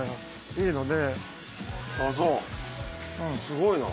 すごいな。